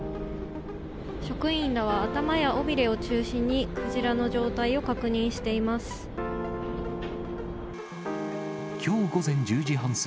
職員らは頭や尾びれを中心に、クジラの状態を確認しています。